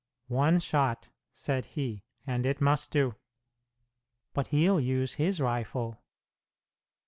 "One shot," said he; "and it must do." "But he'll use his rifle."